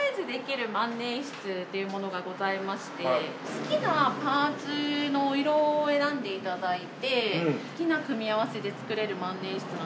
好きなパーツの色を選んで頂いて好きな組み合わせで作れる万年筆なんです。